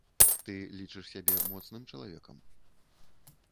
Ты лічыш сябе моцным чалавекам?